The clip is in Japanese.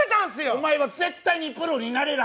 お前は絶対にプロになれる。